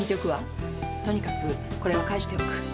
とにかくこれは返しておく。